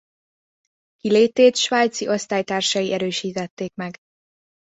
Kilétét svájci osztálytársai erősítették meg.